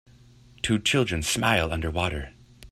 Two children smile underwater